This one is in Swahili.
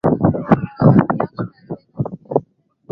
Kesho Rais huyo wa kwanza mwanamke Tanzania atahitimisha ziara yake